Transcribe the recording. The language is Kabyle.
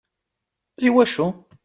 I wacu?